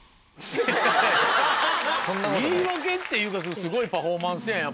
言い訳っていうかすごいパフォーマンスやんやっぱり。